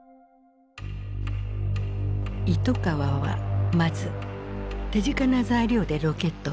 糸川はまず手近な材料でロケットをつくった。